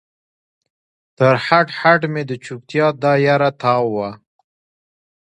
تر هډ، هډ مې د چوپتیا دا یره تاو وه